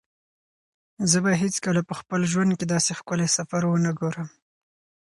زه به بیا هیڅکله په خپل ژوند کې داسې ښکلی سفر ونه ګورم.